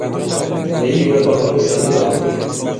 Mɛ̀ yi wɛ ɔ̂ ɔ̀ nge sàn i lɔ̄w ìkon.